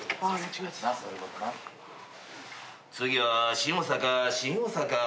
次は新大阪新大阪。